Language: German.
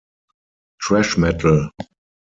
Trash Metal